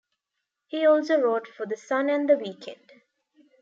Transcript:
He also wrote for the "Sun" and the "Weekend".